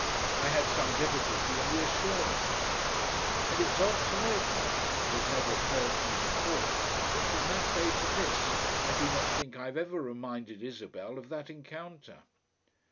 I had some difficulty in reassuring her. And it's odd to note now it has never occurred to me before that from that day to this I do not think I have ever reminded Isabel of that encounter.